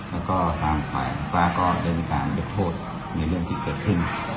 แล้วก็ทางฝ่ายฟ้าก็ได้มีการยกโทษในเรื่องที่เกิดขึ้น